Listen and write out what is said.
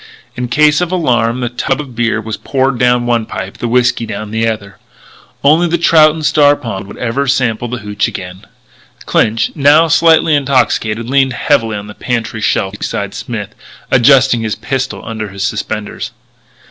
In case of alarm the tub of beer was poured down one pipe; the whiskey down the other. Only the trout in Star Pond would ever sample that hootch again. Clinch, now slightly intoxicated, leaned heavily on the pantry shelf beside Smith, adjusting his pistol under his suspenders.